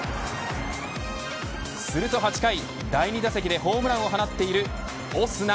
すると８回、第２打席でホームランを放っているオスナ。